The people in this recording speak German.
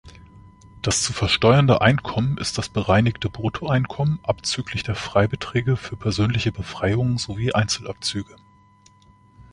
Das zu versteuernde Einkommen ist das bereinigte Bruttoeinkommen abzüglich der Freibeträge für persönliche Befreiungen sowie Einzelabzüge.